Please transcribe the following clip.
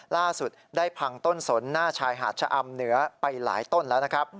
ล่าสุดได้พังต้นสนหน้าชายหาดชะอำเหนือไปหลายต้นแล้วนะครับ